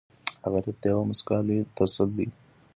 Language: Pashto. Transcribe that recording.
غریب ته یوه موسکا لوی تسل دی